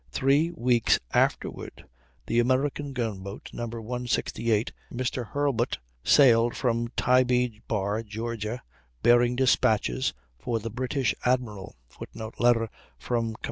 Three weeks afterward the American gunboat, No. 168, Mr. Hurlburt, sailed from Tybee Bar, Ga., bearing despatches for the British admiral. [Footnote: Letter from Com.